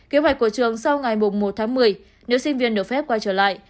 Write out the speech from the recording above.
kế hoạch của trường sau ngày một tháng một mươi nếu sinh viên được phép quay trở lại